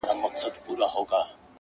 ستا هره فیصله ما ته په سر سترګو منظوره